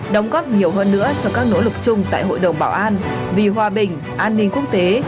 đóng góp nhiều hơn nữa cho các nỗ lực chung tại hội đồng bảo an vì hòa bình an ninh quốc tế